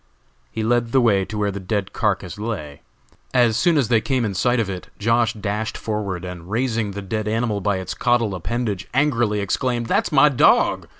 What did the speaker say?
He led the way to where the dead carcass lay. As soon as they came in sight of it Josh. dashed forward, and raising the dead animal by its caudal appendage, angrily exclaimed: "That's my dog!